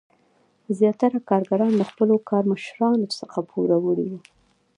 زیاتره کارګران له خپلو کارمشرانو څخه پوروړي وو.